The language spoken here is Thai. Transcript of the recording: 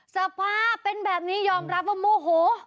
สภาพเป็นแบบนี้ยอมรับว่าโมโห